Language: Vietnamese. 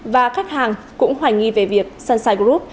và khách hàng cũng hoài nghi về việc sunshine group